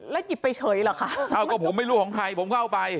หยิบไปเฉยเหรอคะเอ้าก็ผมไม่รู้ของใครผมเข้าไป